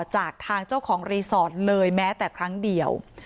จากทางเจ้าของรีสอร์ทเลยแม้แต่ครั้งเดียว